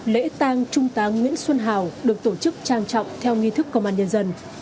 lễ tang trung tá nguyễn xuân hào được tổ chức trang trọng theo nghi thức công an nhân dân